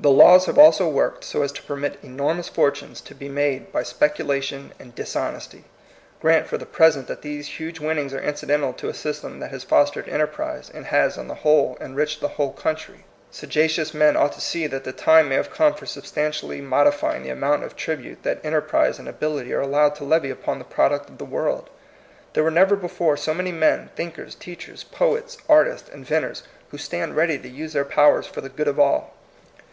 The laws have also worked so as to pei mit enormous fortunes to be made by specula tion and dishonesty. Grant for the present that these huge winnings are incidental to a system that has fostered enterprise, and has on the whole enriched the whole coun try. Sagacious men ought to see that the time may haye come for substantially mod ifying the amount of tribute that enter prise and ability are allowed to levy upon the product of the world. There were never before so many men, thinkers, teachers, poets, artists, inventors, who stand ready to use their powers for the good of all.